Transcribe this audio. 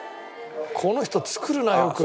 この人作るなあよく。